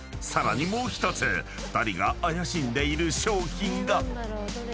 ［さらにもう１つ２人が怪しんでいる商品が］